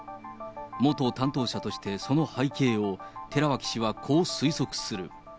元担当者として、その背景を、寺脇氏はこう推測する。